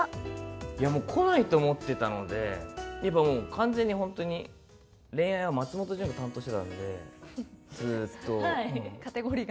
いやもう、来ないと思ってたので、やっぱもう、完全に本当に、恋愛は松本潤カテゴリーが？